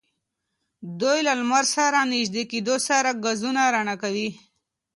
دوی له لمر سره نژدې کېدو سره ګازونه رڼا کوي.